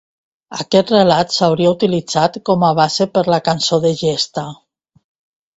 Aquest relat s'hauria utilitzat com a base per a la cançó de gesta.